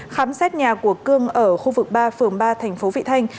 khám xét nhà của cương ở khu vực ba phường ba tp vị thanh